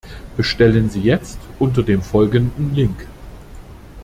Bestellen Sie jetzt unter dem folgenden Link!